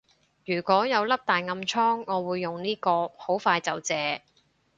如果有粒大暗瘡我會用呢個，好快就謝